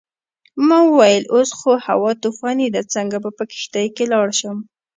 ما وویل اوس خو هوا طوفاني ده څنګه به په کښتۍ کې لاړ شم.